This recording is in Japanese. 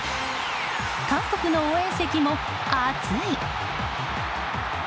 韓国の応援席も熱い！